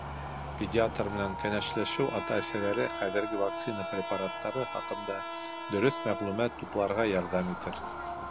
Педиатр менән кәңәшләшеү ата-әсәләргә хәҙерге вакцина препараттары хаҡында дөрөҫ мәғлүмәт тупларға ярҙам итер.